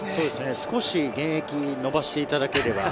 少し現役を延ばしていただければ。